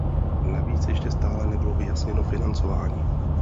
Navíc ještě stále nebylo vyjasněno financování.